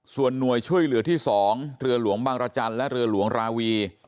ส่วนหน่วยช่วยเหลือที่๒เรือหลวงบางรจันทร์และเรือหลวงราวี